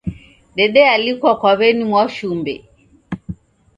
Dedealikwa kwa w'eni Mwashumbe.